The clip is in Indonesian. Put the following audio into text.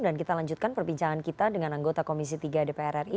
dan kita lanjutkan perbincangan kita dengan anggota komisi tiga dpr ri